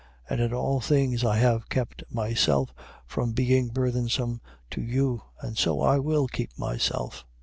And in all things I have kept myself from being burthensome to you: and so I will keep myself.